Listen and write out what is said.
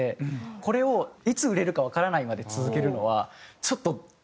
これをいつ売れるかわからないままで続けるのはちょっとしんどすぎると思って。